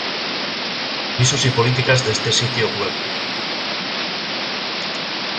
Avisos y políticas de este sitio web